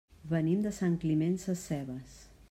Venim de Sant Climent Sescebes.